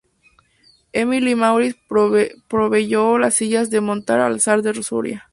Émile-Maurice proveyó de sillas de montar al zar de Rusia.